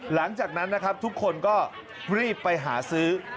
หลังจากนั้นนะครับทุกคนก็รีบไปหาซื้อ